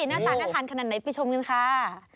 หน้าตาน่าทานขนาดไหนไปชมกันค่ะ